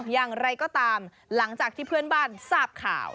อย่างไรก็ตามหลังจากที่เพื่อนบ้านทราบข่าว